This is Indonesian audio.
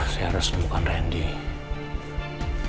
saya harus temukan randy